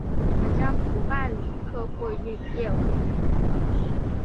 本站不办理客货运业务。